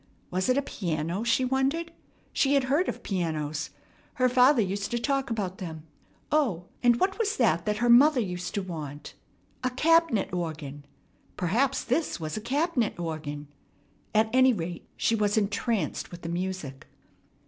Was it a piano? she wondered. She had heard of pianos. Her father used to talk about them. O, and what was that her mother used to want? A "cab'net organ." Perhaps this was a cab'net organ. At any rate, she was entranced with the music.